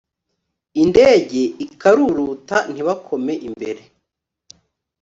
indege ikaruruta ntibakome imbere